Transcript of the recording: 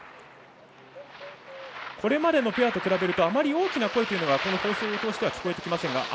これまでのペアと比べるとあまり大きな声というのはこの放送を通しては聞こえてきません。